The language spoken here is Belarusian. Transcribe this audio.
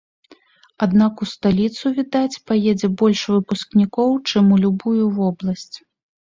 Аднак ў сталіцу, відаць, паедзе больш выпускнікоў, чым у любую вобласць.